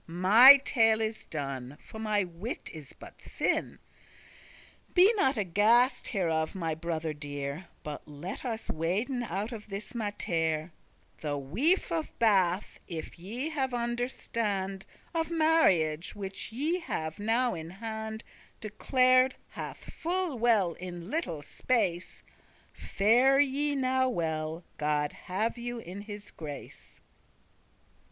My tale is done, for my wit is but thin. Be not aghast* hereof, my brother dear, *aharmed, afraid But let us waden out of this mattere, The Wife of Bath, if ye have understand, Of marriage, which ye have now in hand, Declared hath full well in little space; Fare ye now well, God have you in his grace."